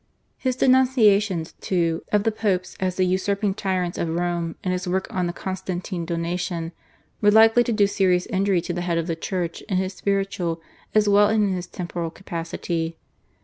His denunciations, too, of the Popes as the usurping tyrants of Rome in his work on the Constantine Donation were likely to do serious injury to the head of the Church in his spiritual as well as in his temporal capacity.